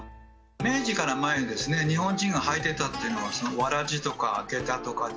明治から前にですね日本人が履いてたっていうのは草鞋とか下駄とかですね